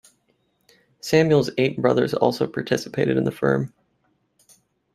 Samuel's eight brothers also participated in the firm.